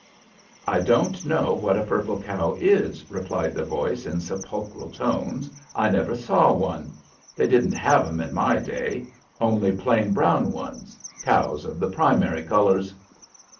"I don't know what a purple cow is," replied the voice, in sepulchral tones. "I never saw one. They didn't have 'em in my day, only plain brown ones cows of the primary colors."